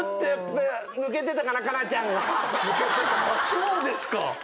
そうですか。